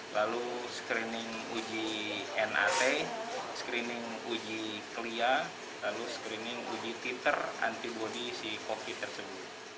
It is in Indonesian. lalu screening uji nat screening uji klia lalu screening uji titer antibody si covid tersebut